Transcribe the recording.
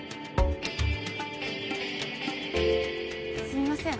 すみません